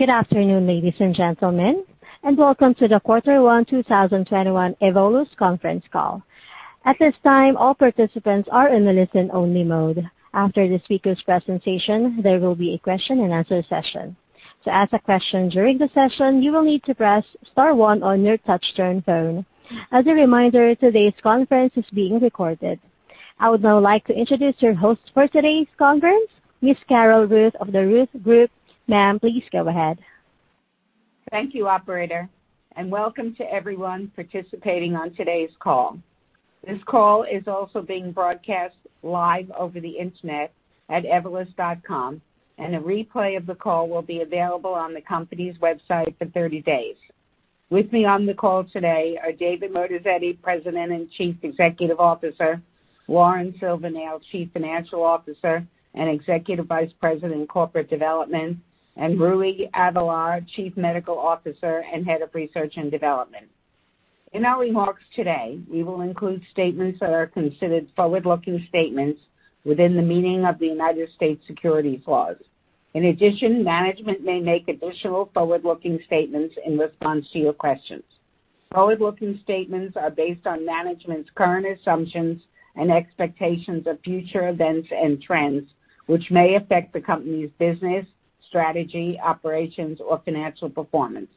Good afternoon, ladies and gentlemen, and welcome to the Quarter One 2021 Evolus conference call. At this time, all participants are in a listen-only mode. After the speakers' presentation, there will be a question and answer session. To ask a question during the session, you will need to press star one on your touch-tone phone. As a reminder, today's conference is being recorded. I would now like to introduce your host for today's conference, Ms. Carol Ruth of The Ruth Group. Ma'am, please go ahead. Thank you, operator, and welcome to everyone participating on today's call. This call is also being broadcast live over the internet at evolus.com, and a replay of the call will be available on the company's website for 30 days. With me on the call today are David Moatazedi, President and Chief Executive Officer, Lauren Silvernail, Chief Financial Officer and Executive Vice President, Corporate Development, and Rui Avelar, Chief Medical Officer and Head of Research and Development. In our remarks today, we will include statements that are considered forward-looking statements within the meaning of the United States securities laws. In addition, management may make additional forward-looking statements in response to your questions. Forward-looking statements are based on management's current assumptions and expectations of future events and trends, which may affect the company's business, strategy, operations, or financial performance.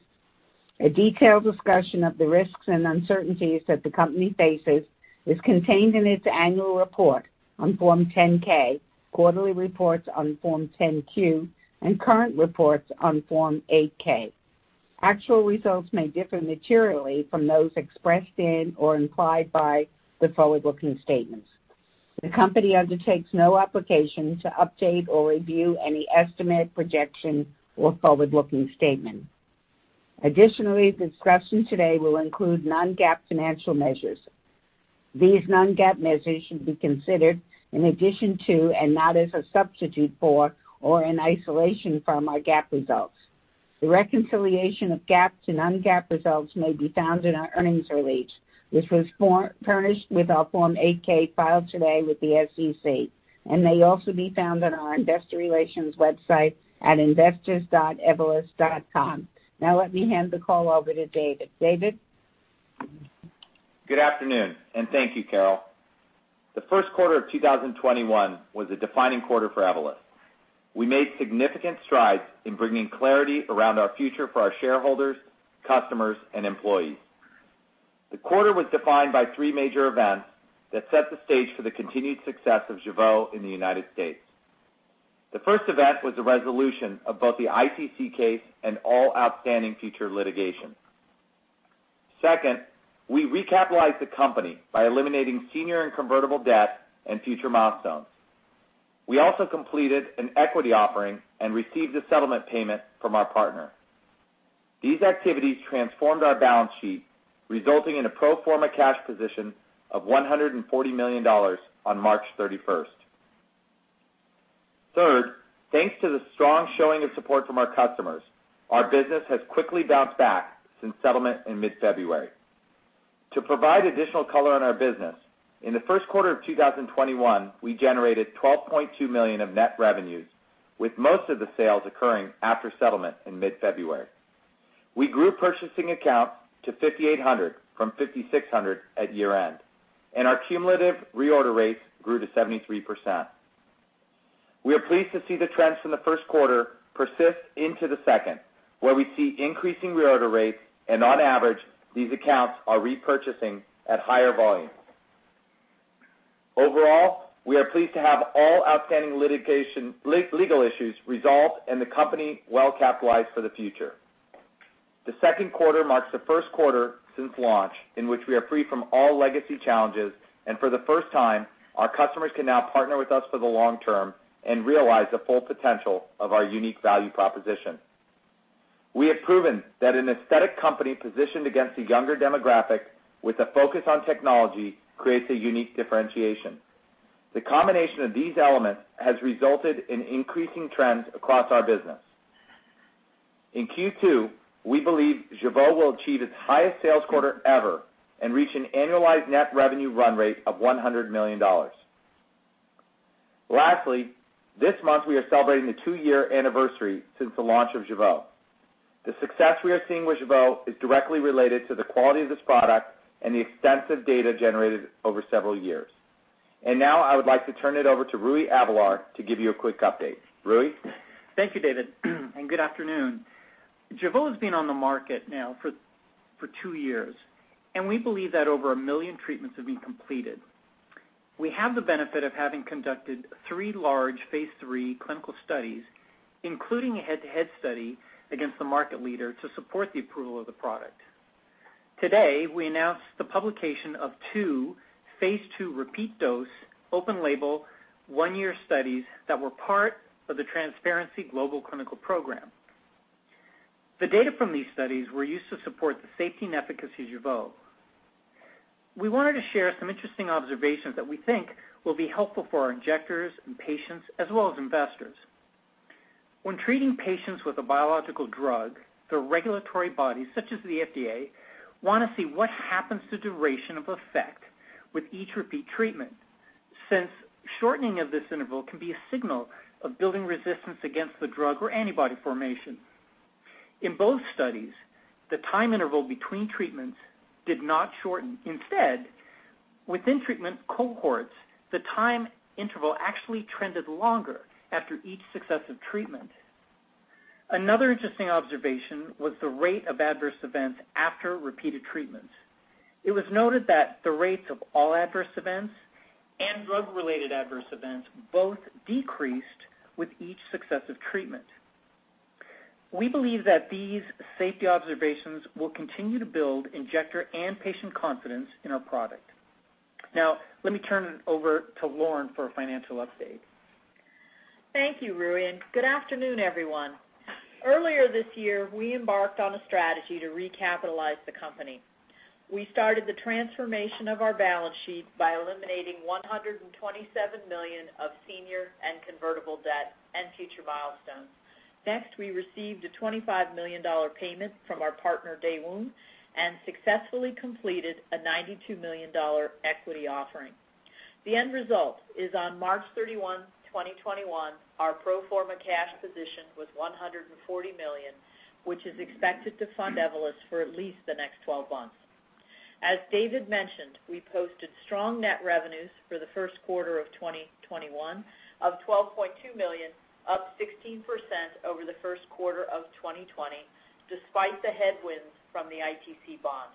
A detailed discussion of the risks and uncertainties that the company faces is contained in its annual report on Form 10-K, quarterly reports on Form 10-Q, and current reports on Form 8-K. Actual results may differ materially from those expressed in or implied by the forward-looking statements. The company undertakes no obligation to update or review any estimate, projection, or forward-looking statement. Additionally, discussion today will include non-GAAP financial measures. These non-GAAP measures should be considered in addition to and not as a substitute for or in isolation from our GAAP results. The reconciliation of GAAP to non-GAAP results may be found in our earnings release, which was furnished with our Form 8-K filed today with the SEC and may also be found on our investor relations website at investors.evolus.com. Now let me hand the call over to David. David? Good afternoon, and thank you, Carol. The first quarter of 2021 was a defining quarter for Evolus. We made significant strides in bringing clarity around our future for our shareholders, customers, and employees. The quarter was defined by three major events that set the stage for the continued success of Jeuveau in the U.S. The first event was the resolution of both the ITC case and all outstanding future litigation. Second, we recapitalized the company by eliminating senior and convertible debt and future milestones. We also completed an equity offering and received a settlement payment from our partner. These activities transformed our balance sheet, resulting in a pro forma cash position of $140 million on March 31st. Third, thanks to the strong showing of support from our customers, our business has quickly bounced back since settlement in mid-February. To provide additional color on our business, in the first quarter of 2021, we generated $12.2 million of net revenues, with most of the sales occurring after settlement in mid-February. We grew purchasing accounts to 5,800 from 5,600 at year-end, and our cumulative reorder rates grew to 73%. We are pleased to see the trends from the first quarter persist into the second, where we see increasing reorder rates, and on average, these accounts are repurchasing at higher volumes. Overall, we are pleased to have all outstanding legal issues resolved and the company well-capitalized for the future. The second quarter marks the first quarter since launch in which we are free from all legacy challenges, and for the first time, our customers can now partner with us for the long term and realize the full potential of our unique value proposition. We have proven that an aesthetic company positioned against a younger demographic with a focus on technology creates a unique differentiation. The combination of these elements has resulted in increasing trends across our business. In Q2, we believe Jeuveau will achieve its highest sales quarter ever and reach an annualized net revenue run rate of $100 million. Lastly, this month, we are celebrating the two-year anniversary since the launch of Jeuveau. The success we are seeing with Jeuveau is directly related to the quality of this product and the extensive data generated over several years. Now I would like to turn it over to Rui Avelar to give you a quick update. Rui? Thank you, David. Good afternoon. Jeuveau has been on the market now for two years, and we believe that over 1 million treatments have been completed. We have the benefit of having conducted three large phase III clinical studies, including a head-to-head study against the market leader, to support the approval of the product. Today, we announced the publication of two phase II repeat dose open label one-year studies that were part of the TRANSPARENCY global clinical program. The data from these studies were used to support the safety and efficacy of Jeuveau. We wanted to share some interesting observations that we think will be helpful for our injectors and patients as well as investors. When treating patients with a biological drug, the regulatory bodies such as the FDA want to see what happens to duration of effect with each repeat treatment. Since shortening of this interval can be a signal of building resistance against the drug or antibody formation. In both studies, the time interval between treatments did not shorten. Instead, within treatment cohorts, the time interval actually trended longer after each successive treatment. Another interesting observation was the rate of adverse events after repeated treatments. It was noted that the rates of all adverse events and drug-related adverse events both decreased with each successive treatment. We believe that these safety observations will continue to build injector and patient confidence in our product. Now, let me turn it over to Lauren for a financial update. Thank you, Rui, good afternoon, everyone. Earlier this year, we embarked on a strategy to recapitalize the company. We started the transformation of our balance sheet by eliminating $127 million of senior and convertible debt and future milestones. We received a $25 million payment from our partner, Daewoong, and successfully completed a $92 million equity offering. The end result is on March 31st, 2021, our pro forma cash position was $140 million, which is expected to fund Evolus for at least the next 12 months. As David mentioned, we posted strong net revenues for the first quarter of 2021 of $12.2 million, up 16% over the first quarter of 2020, despite the headwinds from the ITC bond.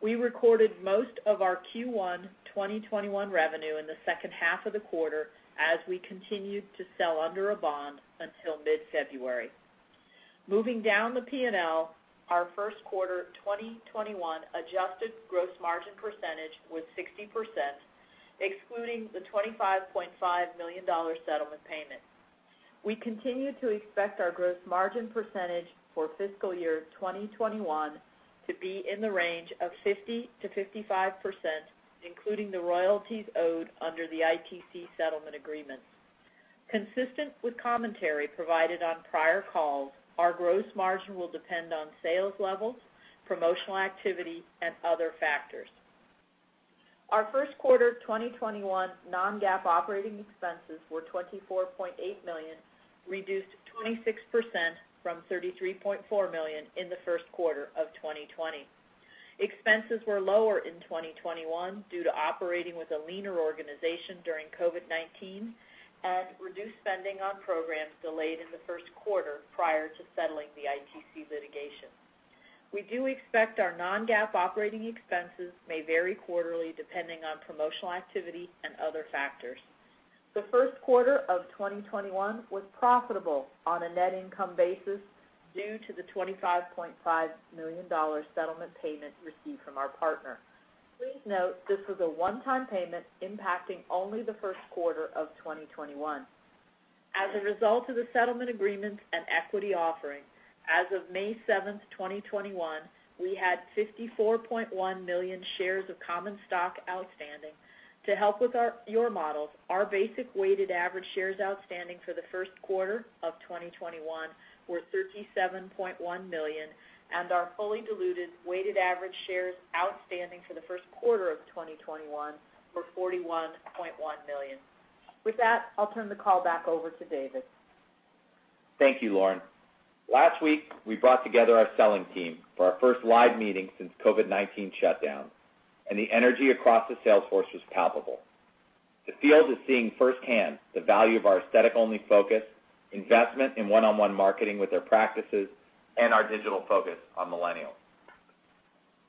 We recorded most of our Q1 2021 revenue in the second half of the quarter as we continued to sell under a bond until mid-February. Moving down the P&L, our first quarter 2021 adjusted gross margin percentage was 60%, excluding the $25.5 million settlement payment. We continue to expect our gross margin percentage for fiscal year 2021 to be in the range of 50%-55%, including the royalties owed under the ITC settlement agreement. Consistent with commentary provided on prior calls, our gross margin will depend on sales levels, promotional activity, and other factors. Our first quarter 2021 non-GAAP operating expenses were $24.8 million, reduced 26% from $33.4 million in the first quarter of 2020. Expenses were lower in 2021 due to operating with a leaner organization during COVID-19 and reduced spending on programs delayed in the first quarter prior to settling the ITC litigation. We do expect our non-GAAP operating expenses may vary quarterly, depending on promotional activity and other factors. The first quarter of 2021 was profitable on a net income basis due to the $25.5 million settlement payment received from our partner. Please note, this was a one-time payment impacting only the first quarter of 2021. As a result of the settlement agreement and equity offering, as of May 7th, 2021, we had 54.1 million shares of common stock outstanding. To help with your models, our basic weighted average shares outstanding for the first quarter of 2021 were 37.1 million, and our fully diluted weighted average shares outstanding for the first quarter of 2021 were 41.1 million. With that, I'll turn the call back over to David. Thank you, Lauren. Last week, we brought together our selling team for our first live meeting since COVID-19 shutdown. The energy across the sales force was palpable. The field is seeing firsthand the value of our aesthetic-only focus, investment in one-on-one marketing with their practices, and our digital focus on millennials.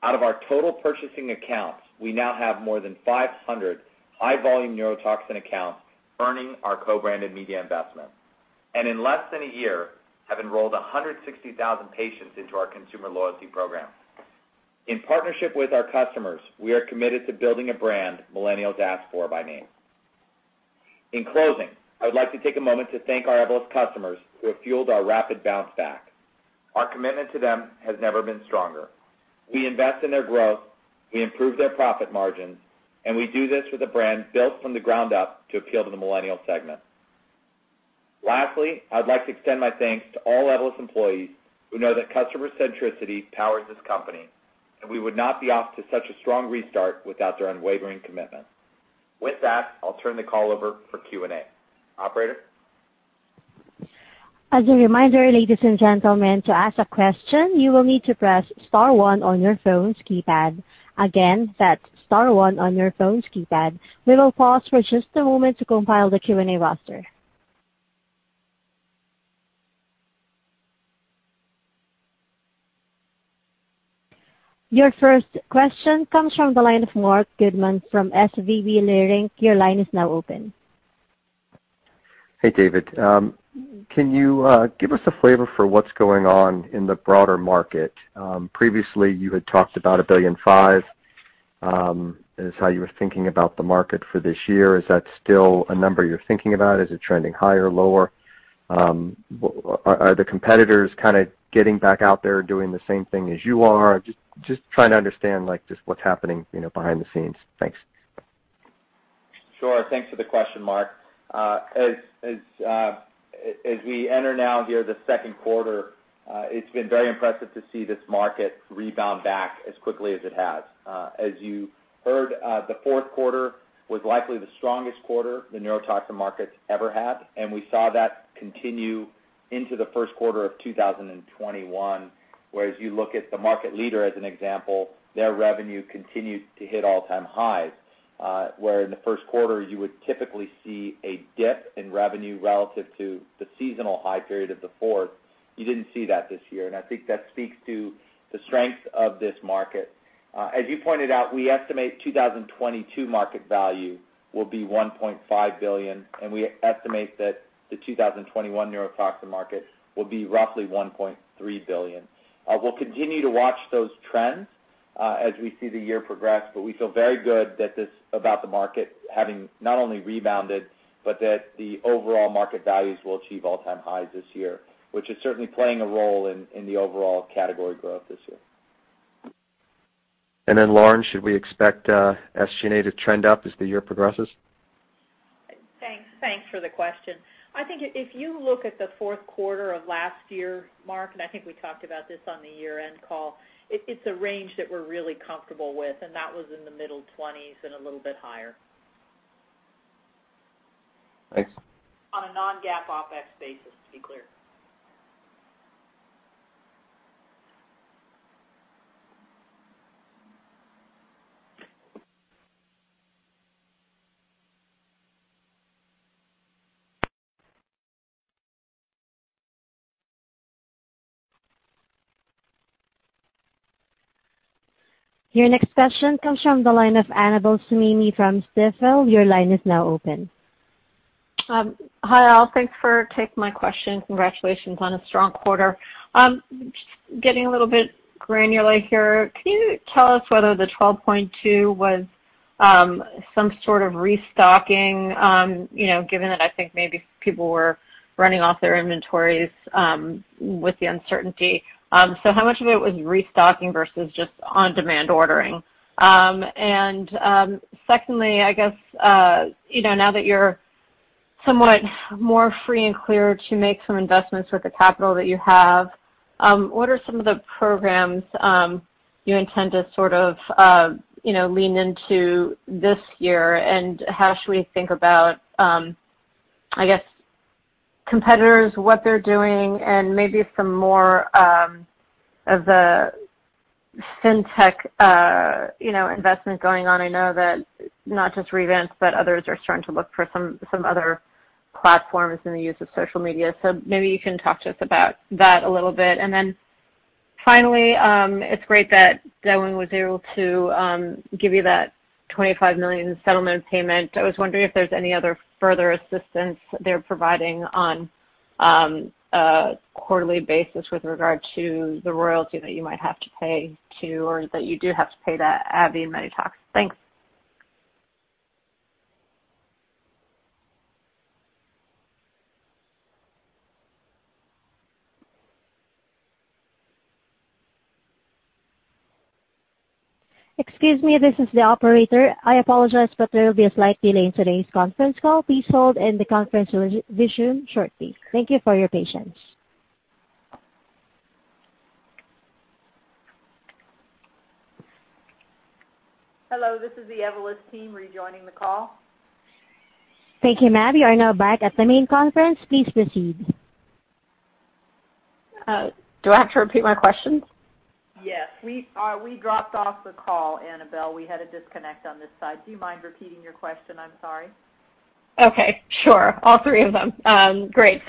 Out of our total purchasing accounts, we now have more than 500 high-volume neurotoxin accounts earning our co-branded media investment. In less than a year, have enrolled 160,000 patients into our consumer loyalty program. In partnership with our customers, we are committed to building a brand millennials ask for by name. In closing, I would like to take a moment to thank our Evolus customers who have fueled our rapid bounce back. Our commitment to them has never been stronger. We invest in their growth, we improve their profit margins, and we do this with a brand built from the ground up to appeal to the millennial segment. Lastly, I'd like to extend my thanks to all Evolus employees who know that customer centricity powers this company, and we would not be off to such a strong restart without their unwavering commitment. With that, I'll turn the call over for Q&A. Operator? As a reminder, ladies and gentlemen, to ask a question, you will need to press star one on your phone's keypad. Again, that's star one on your phone's keypad. We will pause for just a moment to compile the Q&A roster. Your first question comes from the line of Marc Goodman from SVB Leerink. Your line is now open. Hey, David. Can you give us a flavor for what's going on in the broader market? Previously, you had talked about $1.5 billion, is how you were thinking about the market for this year. Is that still a number you're thinking about? Is it trending higher or lower? Are the competitors kind of getting back out there, doing the same thing as you are? Just trying to understand just what's happening behind the scenes. Thanks. Sure. Thanks for the question, Marc. As we enter now near the second quarter, it's been very impressive to see this market rebound back as quickly as it has. As you heard, the fourth quarter was likely the strongest quarter the neurotoxin market's ever had, and we saw that continue into the first quarter of 2021. You look at the market leader as an example, their revenue continued to hit all-time highs. Where in the first quarter you would typically see a dip in revenue relative to the seasonal high period of the fourth, you didn't see that this year, and I think that speaks to the strength of this market. As you pointed out, we estimate 2022 market value will be $1.5 billion, and we estimate that the 2021 neurotoxin market will be roughly $1.3 billion. We'll continue to watch those trends as we see the year progress, but we feel very good about the market having not only rebounded, but that the overall market values will achieve all-time highs this year, which is certainly playing a role in the overall category growth this year. Lauren, should we expect SG&A to trend up as the year progresses? Thanks for the question. I think if you look at the fourth quarter of last year, Marc, and I think we talked about this on the year-end call, it's a range that we're really comfortable with, and that was in the middle twenties and a little bit higher. Thanks. On a non-GAAP OpEx basis, to be clear. Your next question comes from the line of Annabel Samimy from Stifel. Your line is now open. Hi, all. Thanks for taking my question. Congratulations on a strong quarter. Getting a little bit granular here, can you tell us whether the $12.2 million was some sort of restocking, given that I think maybe people were running off their inventories with the uncertainty. How much of it was restocking versus just on-demand ordering? Secondly, I guess, now that you're somewhat more free and clear to make some investments with the capital that you have, what are some of the programs you intend to sort of lean into this year, and how should we think about competitors, what they're doing, and maybe some more of the fintech investment going on? I know that not just Revance, but others are starting to look for some other platforms in the use of social media. Maybe you can talk to us about that a little bit. Finally, it's great that Daewoong was able to give you that $25 million settlement payment. I was wondering if there's any other further assistance they're providing on a quarterly basis with regard to the royalty that you might have to pay to, or that you do have to pay to AbbVie and Medytox. Thanks. Excuse me, this is the operator. I apologize, but there will be a slight delay in today's conference call. Please hold, and the conference will resume shortly. Thank you for your patience. Hello, this is the Evolus team rejoining the call. Thank you, ma'am. You are now back at the main conference. Please proceed. Do I have to repeat my questions? Yes. We dropped off the call, Annabel. We had a disconnect on this side. Do you mind repeating your question? I'm sorry. Okay, sure. All three of them. Great.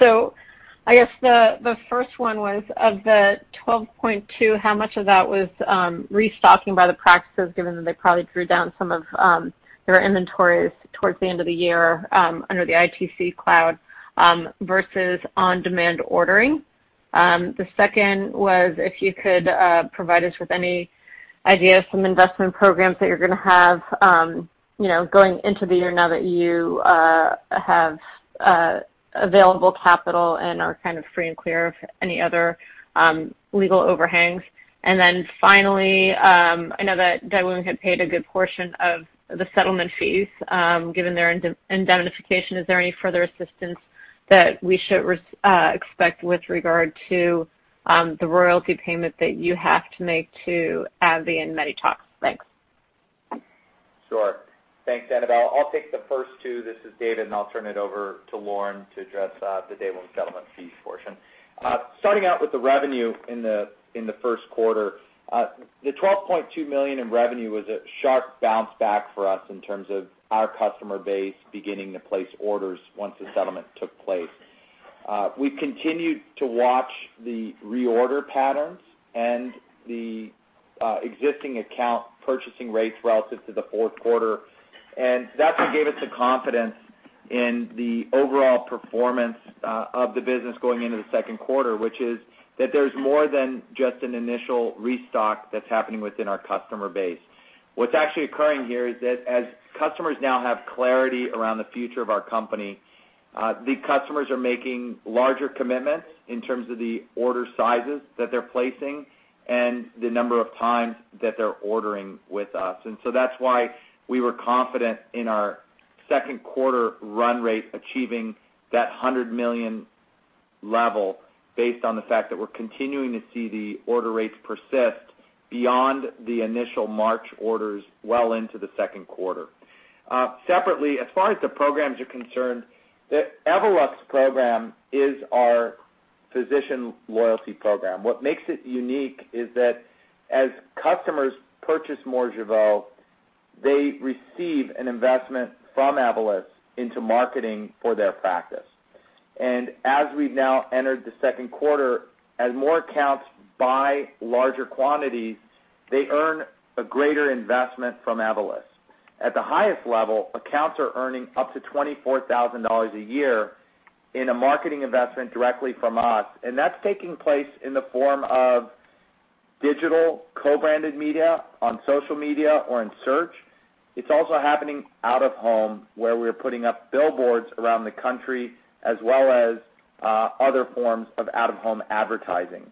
I guess the first one was, of the $12.2 million, how much of that was restocking by the practices, given that they probably drew down some of their inventories towards the end of the year under the ITC cloud versus on-demand ordering? The second was if you could provide us with any idea of some investment programs that you're going to have going into the year now that you have available capital and are kind of free and clear of any other legal overhangs. Finally, I know that Daewoong had paid a good portion of the settlement fees, given their indemnification. Is there any further assistance that we should expect with regard to the royalty payment that you have to make to AbbVie and Medytox? Thanks. Sure. Thanks, Annabel. I'll take the first two. This is David, and I'll turn it over to Lauren to address the Daewoong settlement fees portion. Starting out with the revenue in the first quarter. The $12.2 million in revenue was a sharp bounce back for us in terms of our customer base beginning to place orders once the settlement took place. We continued to watch the reorder patterns and the existing account purchasing rates relative to the fourth quarter, and that's what gave us the confidence in the overall performance of the business going into the second quarter, which is that there's more than just an initial restock that's happening within our customer base. What's actually occurring here is that as customers now have clarity around the future of our company, the customers are making larger commitments in terms of the order sizes that they're placing and the number of times that they're ordering with us. That's why we were confident in our second quarter run rate achieving that $100 million level based on the fact that we're continuing to see the order rates persist beyond the initial March orders well into the second quarter. Separately, as far as the programs are concerned, the Evolus Rewards is our physician loyalty program. What makes it unique is that as customers purchase more Jeuveau, they receive an investment from Evolus into marketing for their practice. As we've now entered the second quarter, as more accounts buy larger quantities, they earn a greater investment from Evolus. At the highest level, accounts are earning up to $24,000 a year in a marketing investment directly from us. That's taking place in the form of digital co-branded media on social media or in search. It's also happening out-of-home, where we're putting up billboards around the country, as well as other forms of out-of-home advertising.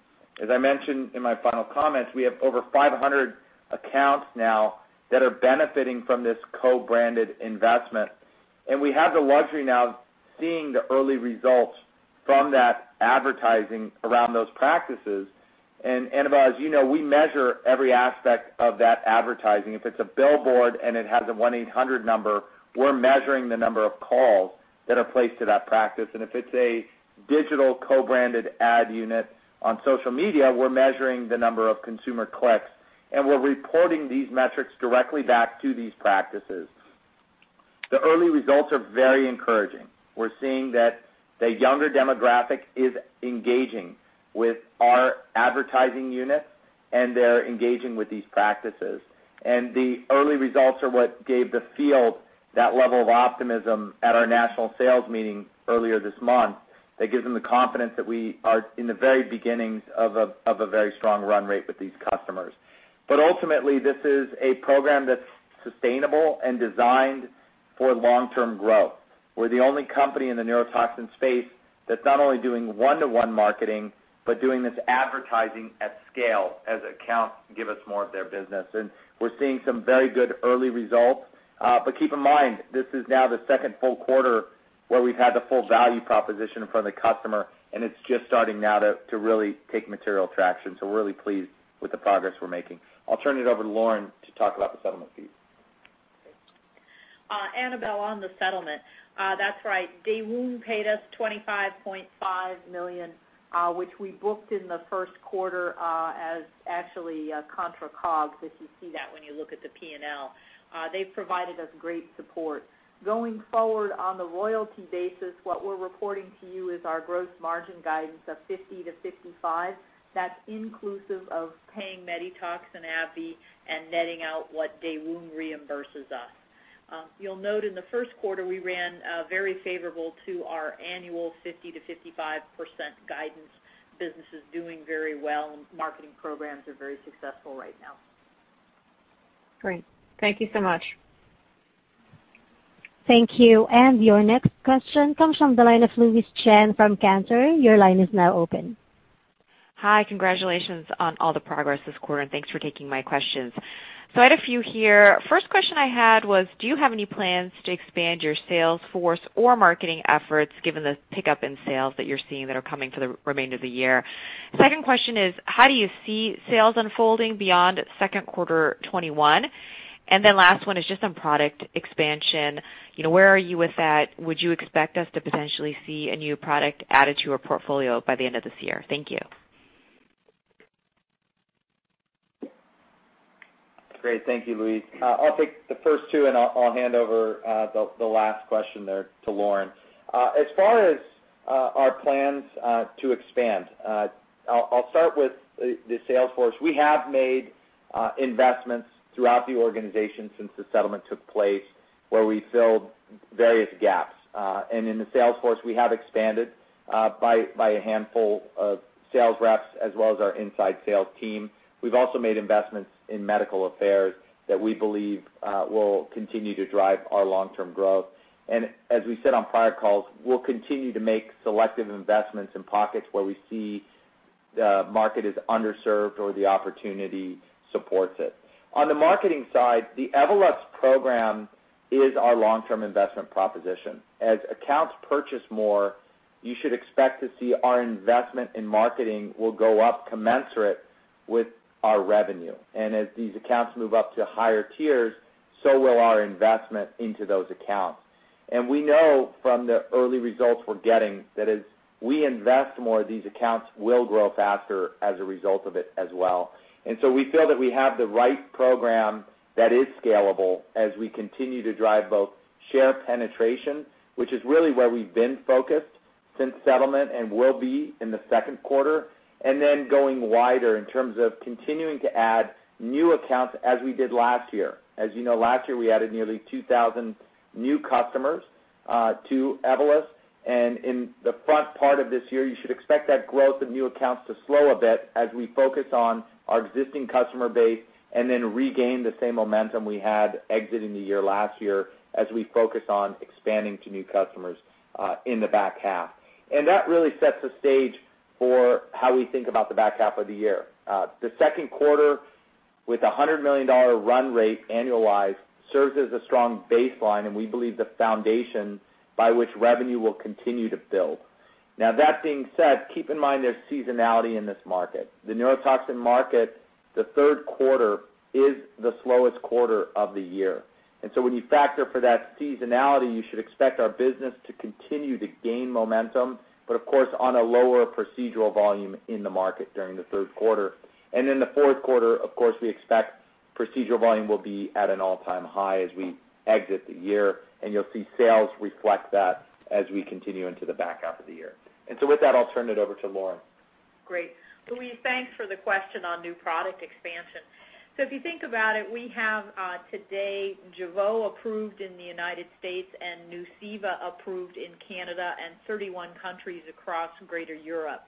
As I mentioned in my final comments, we have over 500 accounts now that are benefiting from this co-branded investment. We have the luxury now of seeing the early results from that advertising around those practices. Annabel, as you know, we measure every aspect of that advertising. If it's a billboard and it has a 1-800 number, we're measuring the number of calls that are placed to that practice. If it's a digital co-branded ad unit on social media, we're measuring the number of consumer clicks, and we're reporting these metrics directly back to these practices. The early results are very encouraging. We're seeing that the younger demographic is engaging with our advertising units, and they're engaging with these practices. The early results are what gave the field that level of optimism at our national sales meeting earlier this month. That gives them the confidence that we are in the very beginnings of a very strong run rate with these customers. Ultimately, this is a program that's sustainable and designed for long-term growth. We're the only company in the neurotoxin space that's not only doing one-to-one marketing, but doing this advertising at scale as accounts give us more of their business. We're seeing some very good early results. Keep in mind, this is now the second full quarter where we've had the full value proposition in front of the customer, and it's just starting now to really take material traction. We're really pleased with the progress we're making. I'll turn it over to Lauren to talk about the settlement fee. Annabel, on the settlement. That's right. Daewoong paid us $25.5 million, which we booked in the first quarter as actually contra COGS, if you see that when you look at the P&L. They've provided us great support. Going forward on the royalty basis, what we're reporting to you is our gross margin guidance of 50%-55%. That's inclusive of paying Medytox and AbbVie and netting out what Daewoong reimburses us. You'll note in the first quarter, we ran very favorable to our annual 50%-55% guidance. Business is doing very well, and marketing programs are very successful right now. Great. Thank you so much. Thank you. Your next question comes from the line of Louise Chen from Cantor. Your line is now open. Hi. Congratulations on all the progress this quarter, thanks for taking my questions. I had a few here. First question I had was, do you have any plans to expand your sales force or marketing efforts given the pickup in sales that you're seeing that are coming for the remainder of the year? Second question is, how do you see sales unfolding beyond second quarter 2021? Last one is just on product expansion. Where are you with that? Would you expect us to potentially see a new product added to your portfolio by the end of this year? Thank you. Great. Thank you, Louise. I'll take the first two, and I'll hand over the last question there to Lauren. As far as our plans to expand, I'll start with the sales force. We have made investments throughout the organization since the settlement took place where we filled various gaps. In the sales force, we have expanded by a handful of sales reps as well as our inside sales team. We've also made investments in medical affairs that we believe will continue to drive our long-term growth. As we said on prior calls, we'll continue to make selective investments in pockets where we see the market is underserved or the opportunity supports it. On the marketing side, the Evolus Rewards is our long-term investment proposition. As accounts purchase more, you should expect to see our investment in marketing will go up commensurate with our revenue. As these accounts move up to higher tiers, so will our investment into those accounts. We know from the early results we're getting that as we invest more, these accounts will grow faster as a result of it as well. We feel that we have the right program that is scalable as we continue to drive both share penetration, which is really where we've been focused since settlement and will be in the second quarter, and then going wider in terms of continuing to add new accounts as we did last year. As you know, last year, we added nearly 2,000 new customers to Evolus. In the front part of this year, you should expect that growth of new accounts to slow a bit as we focus on our existing customer base and then regain the same momentum we had exiting the year last year as we focus on expanding to new customers in the back half. The second quarter, with a $100 million run rate annualized, serves as a strong baseline and we believe the foundation by which revenue will continue to build. That being said, keep in mind there's seasonality in this market. The neurotoxin market, the third quarter is the slowest quarter of the year. When you factor for that seasonality, you should expect our business to continue to gain momentum, but of course, on a lower procedural volume in the market during the third quarter. In the fourth quarter, of course, we expect procedural volume will be at an all-time high as we exit the year, and you'll see sales reflect that as we continue into the back half of the year. With that, I'll turn it over to Lauren. Great. Louise, thanks for the question on new product expansion. If you think about it, we have, today, Jeuveau approved in the United States and Nuceiva approved in Canada and 31 countries across greater Europe.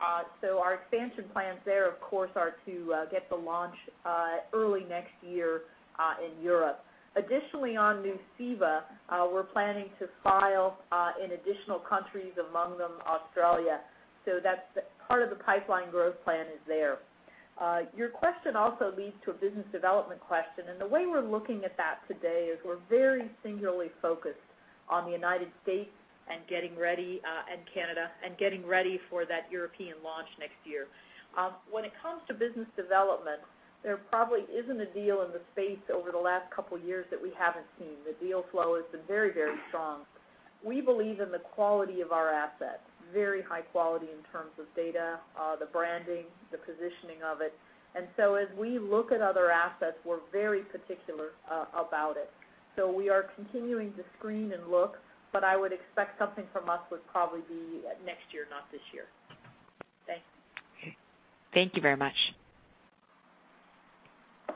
Our expansion plans there, of course, are to get the launch early next year in Europe. Additionally, on Nuceiva, we're planning to file in additional countries, among them Australia. That's part of the pipeline growth plan is there. Your question also leads to a business development question, and the way we're looking at that today is we're very singularly focused on the United States and getting ready, and Canada, and getting ready for that European launch next year. When it comes to business development, there probably isn't a deal in the space over the last couple of years that we haven't seen. The deal flow has been very strong. We believe in the quality of our assets, very high quality in terms of data, the branding, the positioning of it. As we look at other assets, we're very particular about it. We are continuing to screen and look, but I would expect something from us would probably be next year, not this year. Thanks. Okay. Thank you very much.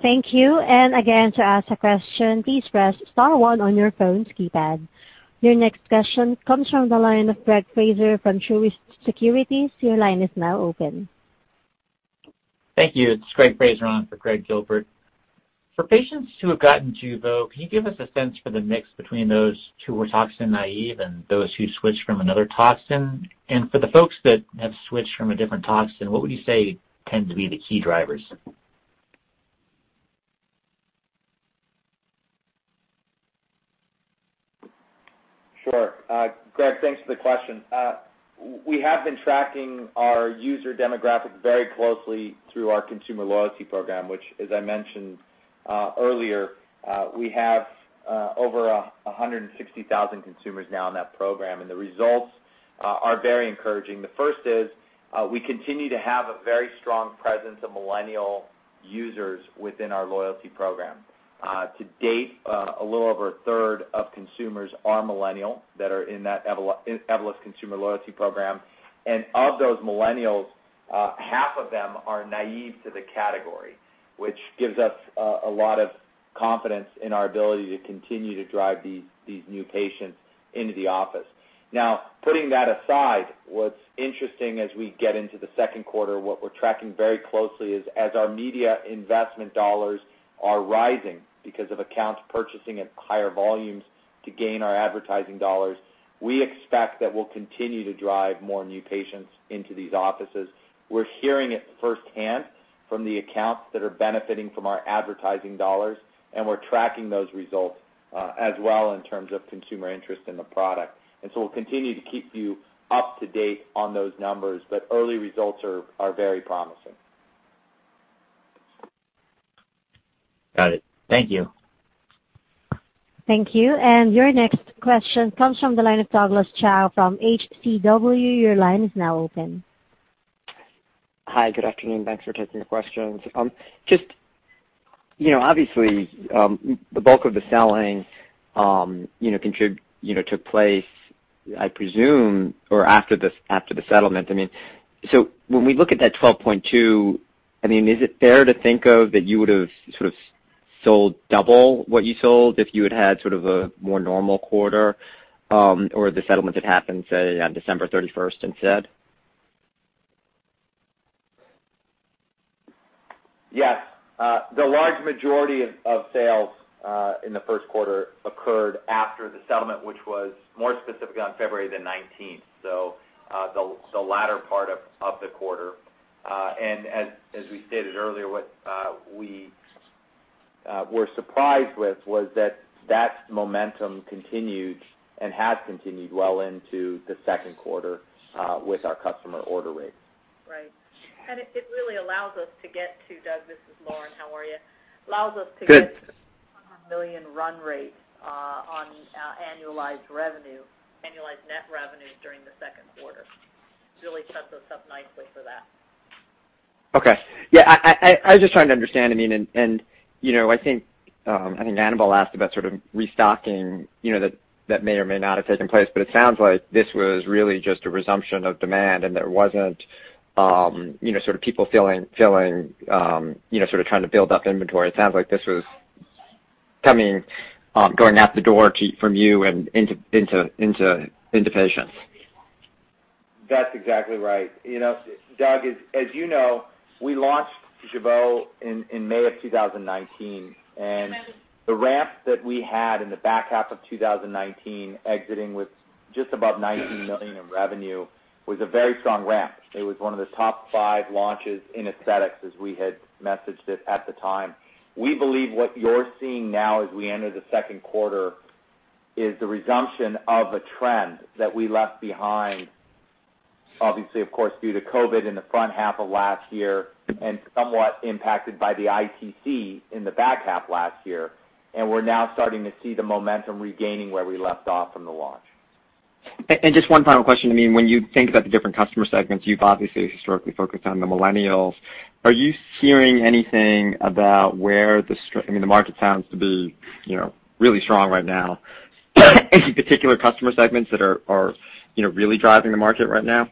Thank you. Again, to ask a question, please press star one on your phone's keypad. Your next question comes from the line of Greg Fraser from Truist Securities. Your line is now open. Thank you. It's Greg Fraser on for Craig Gilbert. For patients who have gotten Jeuveau, can you give us a sense for the mix between those who were toxin naive and those who switched from another toxin? For the folks that have switched from a different toxin, what would you say tend to be the key drivers? Sure. Greg, thanks for the question. We have been tracking our user demographic very closely through our consumer loyalty program, which, as I mentioned earlier, we have over 160,000 consumers now in that program. The results are very encouraging. The first is we continue to have a very strong presence of millennial users within our loyalty program. To date, a little over a third of consumers are millennial that are in that Evolus consumer loyalty program. Of those millennials, half of them are naive to the category, which gives us a lot of confidence in our ability to continue to drive these new patients into the office. Putting that aside, what's interesting as we get into the second quarter, what we're tracking very closely is as our media investment dollars are rising because of accounts purchasing at higher volumes to gain our advertising dollars, we expect that we'll continue to drive more new patients into these offices. We're hearing it firsthand from the accounts that are benefiting from our advertising dollars, and we're tracking those results as well in terms of consumer interest in the product. We'll continue to keep you up to date on those numbers, but early results are very promising. Got it. Thank you. Thank you. Your next question comes from the line of Douglas Tsao from HCW. Your line is now open. Hi, good afternoon. Thanks for taking the questions. Obviously, the bulk of the selling took place, I presume, or after the settlement. When we look at that $12.2 million, is it fair to think of that you would've sort of sold double what you sold if you had had sort of a more normal quarter or the settlement had happened, say, on December 31st instead? Yes. The large majority of sales in the first quarter occurred after the settlement, which was more specifically on February the 19th, so the latter part of the quarter. As we stated earlier, what we were surprised with was that that momentum continued and has continued well into the second quarter with our customer order rates. Right. It really allows us to get to, Doug, this is Lauren. How are you? Good. Allows us to get $100 million run rates on annualized revenue, annualized net revenue during the second quarter. Really sets us up nicely for that. Okay. Yeah, I was just trying to understand. I think Annabel asked about sort of restocking that may or may not have taken place, but it sounds like this was really just a resumption of demand and there wasn't sort of people filling, sort of trying to build up inventory. It sounds like this was coming, going out the door from you and into patients. That's exactly right. Doug, as you know, we launched Jeuveau in May of 2019. The ramp that we had in the back half of 2019 exiting with just above $19 million in revenue was a very strong ramp. It was one of the top five launches in aesthetics as we had messaged it at the time. We believe what you're seeing now as we enter the second quarter is the resumption of a trend that we left behind, obviously, of course, due to COVID in the front half of last year, somewhat impacted by the ITC in the back half last year. We're now starting to see the momentum regaining where we left off from the launch. Just one final question. When you think about the different customer segments, you've obviously historically focused on the millennials. Are you hearing anything about where the market sounds to be really strong right now? Any particular customer segments that are really driving the market right now?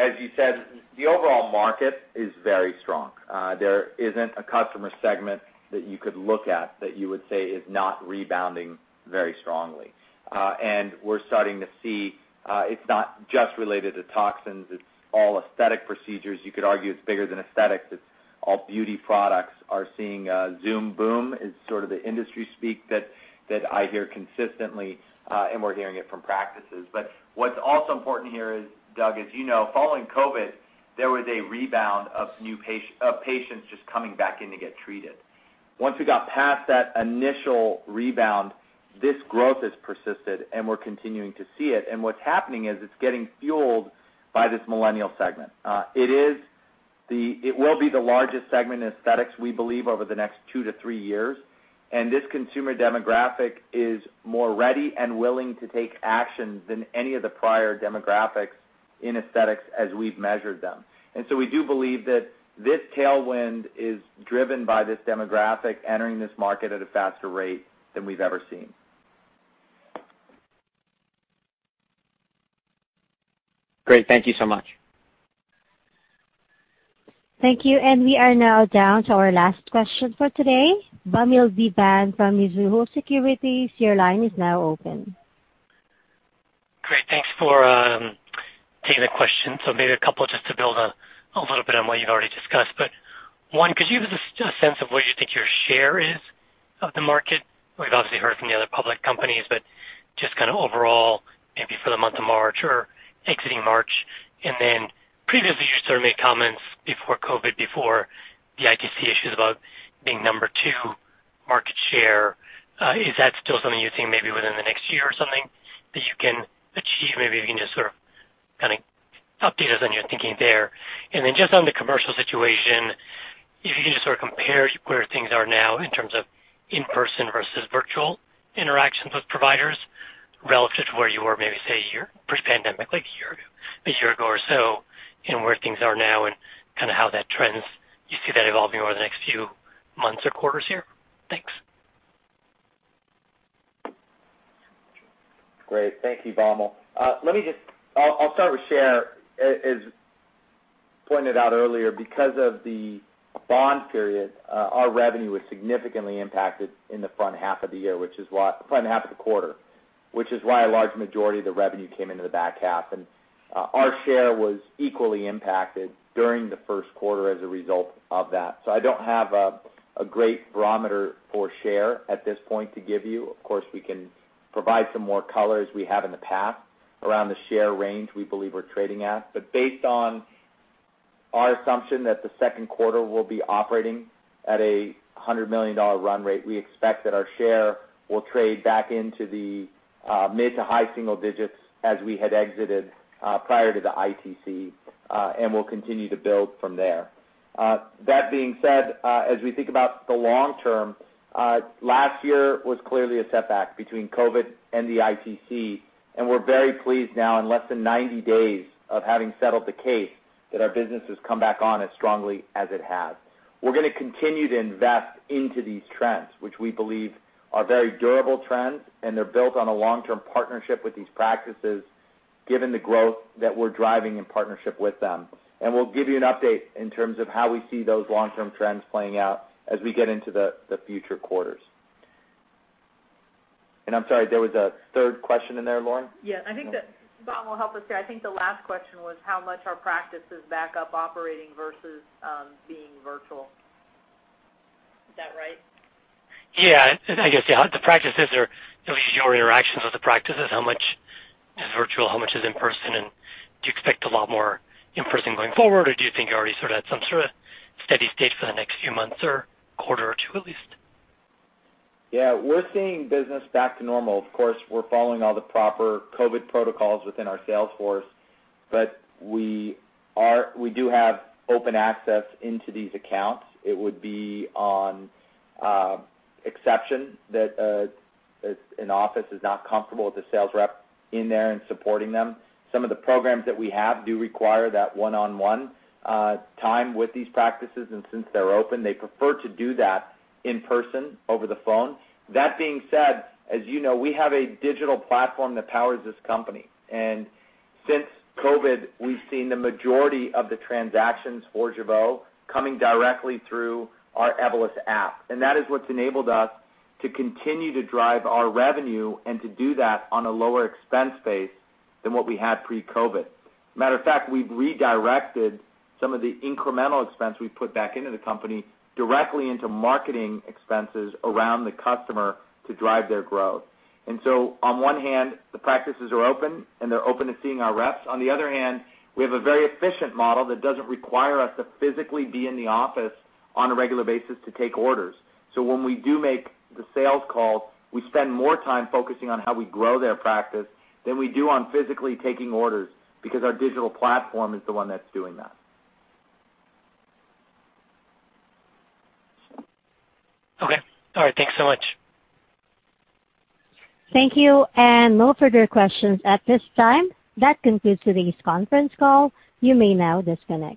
As you said, the overall market is very strong. There isn't a customer segment that you could look at that you would say is not rebounding very strongly. We're starting to see it's not just related to toxins, it's all aesthetic procedures. You could argue it's bigger than aesthetics. It's all beauty products are seeing Zoom boom is sort of the industry speak that I hear consistently, and we're hearing it from practices. What's also important here, Doug, as you know, following COVID, there was a rebound of patients just coming back in to get treated. Once we got past that initial rebound, this growth has persisted, and we're continuing to see it. What's happening is it's getting fueled by this millennial segment. It will be the largest segment in aesthetics, we believe, over the next two to three years. This consumer demographic is more ready and willing to take action than any of the prior demographics in aesthetics as we've measured them. We do believe that this tailwind is driven by this demographic entering this market at a faster rate than we've ever seen. Great. Thank you so much. Thank you. We are now down to our last question for today. Vamil Divan from Mizuho Securities, your line is now open. Great. Thanks for taking the question. Maybe a couple just to build a little bit on what you've already discussed. One, could you give us a sense of what you think your share is of the market? We've obviously heard from the other public companies, but just kind of overall, maybe for the month of March or exiting March. Previously, you sort of made comments before COVID-19, before the ITC issues about being number two market share. Is that still something you think maybe within the next year or something that you can achieve? Maybe if you can just sort of update us on your thinking there. Just on the commercial situation, if you can just sort of compare where things are now in terms of in-person versus virtual interactions with providers relative to where you were maybe, say, pre-pandemic, like a year ago or so, and where things are now and kind of how that trends. Do you see that evolving over the next few months or quarters here? Thanks. Great. Thank you, Vamil. I'll start with share. As pointed out earlier, because of the bond period, our revenue was significantly impacted in the front half of the quarter, which is why a large majority of the revenue came into the back half. Our share was equally impacted during the first quarter as a result of that. I don't have a great barometer for share at this point to give you. Of course, we can provide some more color as we have in the past around the share range we believe we're trading at. Based on our assumption that the second quarter will be operating at a $100 million run rate, we expect that our share will trade back into the mid to high single digits as we had exited prior to the ITC, and we'll continue to build from there. That being said, as we think about the long term, last year was clearly a setback between COVID and the ITC, and we're very pleased now, in less than 90 days of having settled the case, that our business has come back on as strongly as it has. We're going to continue to invest into these trends, which we believe are very durable trends, and they're built on a long-term partnership with these practices, given the growth that we're driving in partnership with them. We'll give you an update in terms of how we see those long-term trends playing out as we get into the future quarters. I'm sorry, there was a third question in there, Lauren? Yes. I think that Vamil will help us here. I think the last question was how much are practices back up operating versus being virtual. Is that right? Yeah. I guess, the practices or your interactions with the practices, how much is virtual, how much is in person, and do you expect a lot more in-person going forward, or do you think you're already sort of at some sort of steady state for the next few months or quarter or two at least? Yeah. We're seeing business back to normal. Of course, we're following all the proper COVID protocols within our sales force, but we do have open access into these accounts. It would be on exception that an office is not comfortable with a sales rep in there and supporting them. Some of the programs that we have do require that one-on-one time with these practices, and since they're open, they prefer to do that in person over the phone. That being said, as you know, we have a digital platform that powers this company. Since COVID, we've seen the majority of the transactions for Jeuveau coming directly through our Evolus app. That is what's enabled us to continue to drive our revenue and to do that on a lower expense base than what we had pre-COVID. Matter of fact, we've redirected some of the incremental expense we put back into the company directly into marketing expenses around the customer to drive their growth. On one hand, the practices are open, and they're open to seeing our reps. On the other hand, we have a very efficient model that doesn't require us to physically be in the office on a regular basis to take orders. When we do make the sales call, we spend more time focusing on how we grow their practice than we do on physically taking orders, because our digital platform is the one that's doing that. Okay. All right. Thanks so much. Thank you. No further questions at this time. That concludes today's conference call. You may now disconnect.